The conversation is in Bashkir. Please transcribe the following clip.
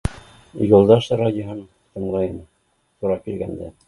Юлдаш радиоһын тыңлайым тура килгәндә